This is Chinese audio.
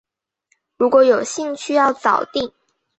如果有兴趣要早定